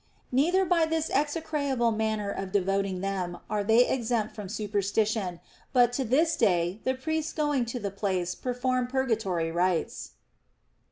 Neither by this execrable manner of devoting them are they exempt from supersti tion ; bat to this day the priests going to the place perform purgatory rites.